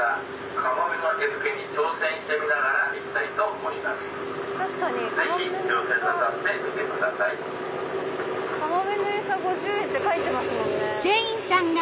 カモメの餌５０円って書いてますもんね。